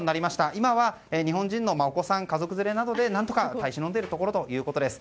今は日本人のお子さん家族連れなどで何とか耐え忍んでいるところということです。